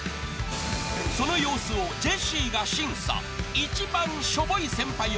［その様子をジェシーが審査］